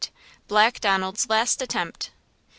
BLACK DONALD'S LAST ATTEMPT.